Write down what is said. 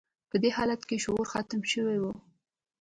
په دې حالت کې شعور ختم شوی و